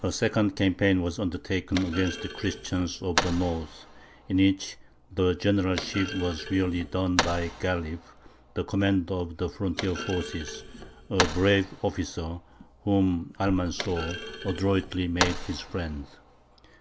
A second campaign was undertaken against the Christians of the north, in which the generalship was really done by Ghālib, the commander of the frontier forces, a brave officer, whom Almanzor adroitly made his friend.